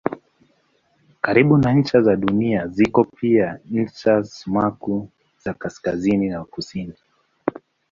Karibu na ncha za Dunia ziko pia ncha sumaku za kaskazini na kusini.